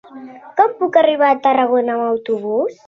Com puc arribar a Tarragona amb autobús?